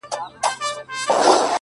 نه ؛ نه داسي نه ده؛